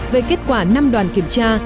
về kết quả năm đoàn kiểm tra